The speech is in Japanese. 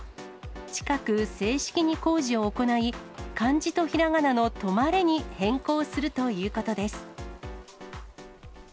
近く、正式に工事を行い、漢字とひらがなの止まれに変更するということです。